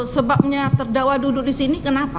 sebabnya terdakwa duduk disini kenapa